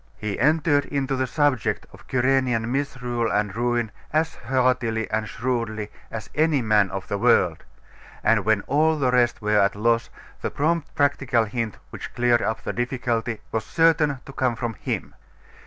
He entered into the subject of Cyrenian misrule and ruin as heartily and shrewdly as any man of the world; and when all the rest were at a loss, the prompt practical hint which cleared up the difficulty was certain to come from him.